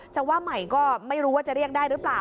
จะว่าใหม่ก็ไม่รู้ว่าจะเรียกได้หรือเปล่า